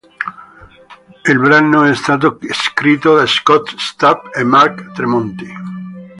Il brano è stato scritto da Scott Stapp e Mark Tremonti